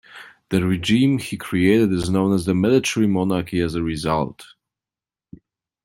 The regime he created is known as the Military Monarchy as a result.